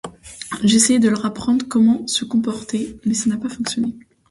J'essayais de leur apprendre comment se comporter, mais ça n'a pas fonctionné.